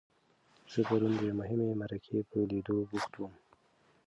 زه پرون د یوې مهمې مرکې په لیدو بوخت وم.